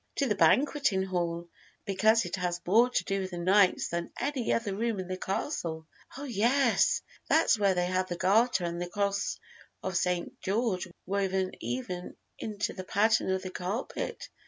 "To the Banqueting Hall, because it has more to do with the knights than any other room in the castle." "Oh, yes, that's where they have the Garter and the Cross of St. George woven even into the pattern of the carpet!